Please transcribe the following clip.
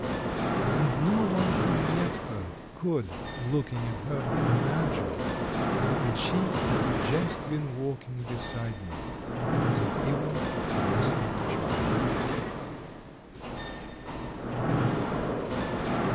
... And no one who met her could, looking at her, imagine that she had just been walking beside me and even caressing the child.